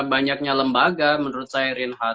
banyaknya lembaga menurut saya